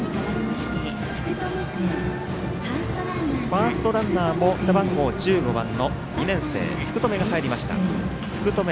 ファーストランナーも背番号１５番の２年生、福留希空が入りました。